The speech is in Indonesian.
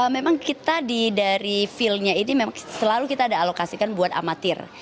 memang kita di dari field nya ini memang selalu kita ada alokasi kan buat amatir